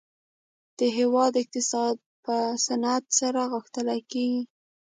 د هیواد اقتصاد په صنعت سره غښتلی کیږي